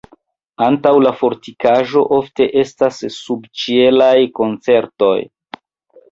Antaŭ la fortikaĵo ofte estas subĉielaj koncertoj.